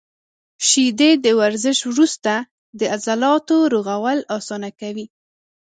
• شیدې د ورزش وروسته د عضلاتو رغول اسانه کوي.